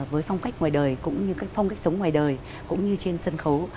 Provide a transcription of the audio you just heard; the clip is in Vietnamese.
với phong cách ngoài đời cũng như cách phong cách sống ngoài đời cũng như trên sân khấu